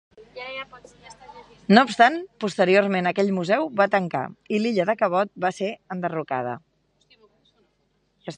No obstant, posteriorment aquell museu va tancar i l'illa de "Cabot" va ser enderrocada.